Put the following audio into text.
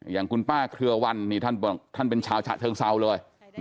อย่างคุณป้าเคลือวันนี่ท่านบอกท่านเป็นชาวฉาเชิงเศร้าเลย